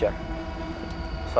gak ada masalah